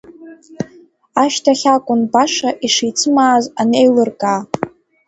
Ашьҭахь акәын баша ишицмааз анеилыркаа.